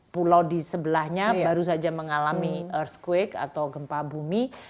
pulau di sebelahnya baru saja mengalami earthquake atau gempa bumi